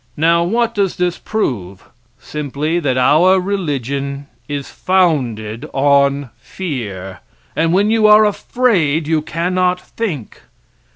Now what does this prove? Simply that our religion is founded on fear, and when you are afraid you cannot think.